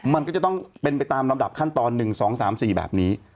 มันก็จะต้องเป็นไปตามลำดับขั้นตอน๑๒๓๔แบบนี้